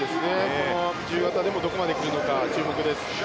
この自由形でもどこまで来るのか注目です。